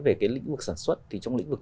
về cái lĩnh vực sản xuất thì trong lĩnh vực